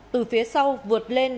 từ phía sau vượt lên